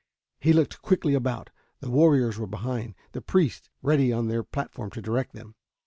He looked quickly about. The warriors were behind, the priests ready on their platform to direct them.